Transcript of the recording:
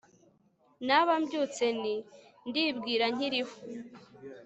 naba mbyutse nti 'ntibwira nkiriho'